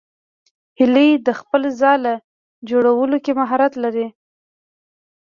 هیلۍ د خپل ځاله جوړولو کې مهارت لري